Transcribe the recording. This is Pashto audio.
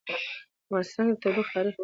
په افغانستان کې د تودوخه تاریخ اوږد دی.